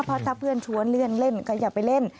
เพราะถ้าเพื่อนชวนเลื่อนเล่นก็อย่าไปเล่น